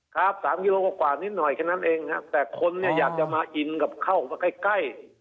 ครับสามกิโลกว่านิดหน่อยแค่นั้นเองครับแต่คนเนี่ยอยากจะมาอินกับเข้ามาใกล้ใกล้